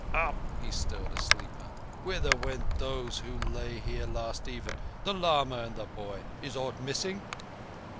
"Up!" He stirred a sleeper. "Whither went those who lay here last even—the lama and the boy? Is aught missing?"